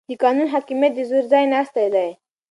د قانون حاکمیت د زور ځای ناستی دی